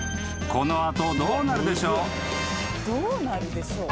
この後どうなるでしょう？